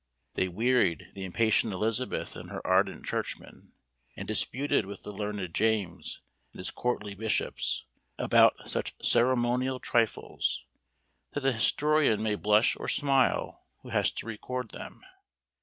They wearied the impatient Elizabeth and her ardent churchmen; and disputed with the learned James, and his courtly bishops, about such ceremonial trifles, that the historian may blush or smile who has to record them.